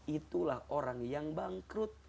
itulah orang yang bangkrut